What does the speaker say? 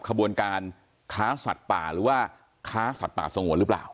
ขบวนการค้าสัตว์ป่าหรือว่าค้าสัตว์ป่าสงวนหรือเปล่า